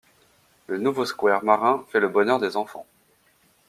Le nouveau square marin fait le bonheur des enfants.